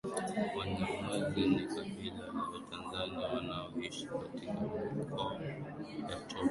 Wanyamwezi ni kabila la Tanzania wanaoishi katika mikoa ya Tabora na Shinyanga